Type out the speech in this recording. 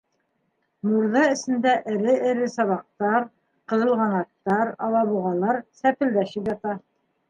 Мурҙа эсендә эре-эре сабаҡтар, ҡыҙылғанаттар, алабуғалар сәпелдәшеп ята.